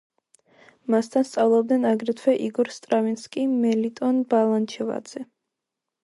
მასთან სწავლობდნენ აგრეთვე იგორ სტრავინსკი, მელიტონ ბალანჩივაძე.